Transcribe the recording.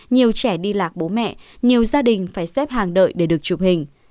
nhiều trẻ đi lạc bố mẹ nhiều gia đình phải xếp hàng đợi để được chụp hình